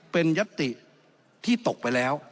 เป็นยัตติที่ตกไปแล้ว